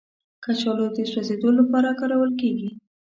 کچالو د سوځیدو لپاره کارول کېږي